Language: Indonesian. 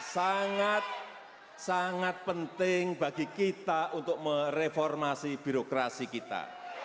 sangat sangat penting bagi kita untuk mereformasi birokrasi kita